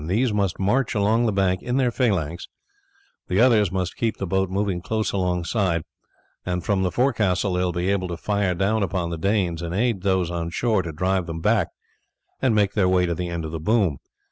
These must march along the bank in their phalanx; the others must keep the boat moving close alongside, and from the forecastle they will be able to fire down upon the Danes and aid those on shore to drive them back and make their way to the end of the boom.